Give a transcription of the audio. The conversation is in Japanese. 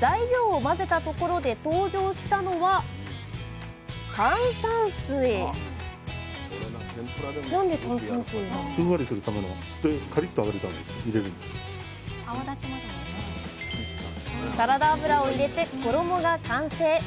材料を混ぜたところで登場したのはサラダ油を入れて衣が完成！